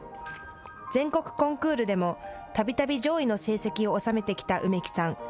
全国コンクールでも、たびたび上位の成績を収めてきた梅木さん。